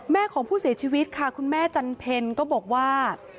แม่ของผู้เสียชีวิตค่ะคุณแม่จันเพลก็บอกว่า